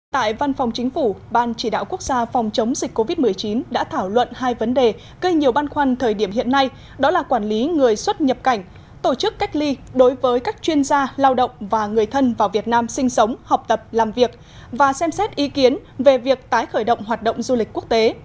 tại văn phòng chính phủ ban chỉ đạo quốc gia phòng chống dịch covid một mươi chín đã thảo luận hai vấn đề gây nhiều băn khoăn thời điểm hiện nay đó là quản lý người xuất nhập cảnh tổ chức cách ly đối với các chuyên gia lao động và người thân vào việt nam sinh sống học tập làm việc và xem xét ý kiến về việc tái khởi động hoạt động du lịch quốc tế